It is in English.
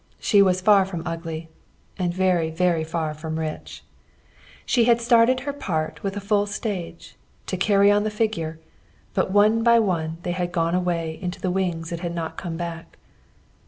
She was far from ugly, and very, very far from rich. She had started her part with a full stage, to carry on the figure, but one by one they had gone away into the wings and had not come back.